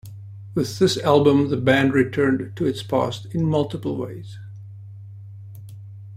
With this album, the band returned to its past in multiple ways.